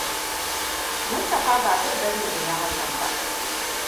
Mustapha ba zai bar ni in yi hakan ba.